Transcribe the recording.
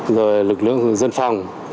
rồi lực lượng dân phòng